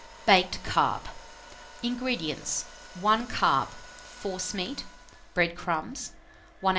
BAKED CARP. 242. INGREDIENTS 1 carp, forcemeat, bread crumbs, 1 oz.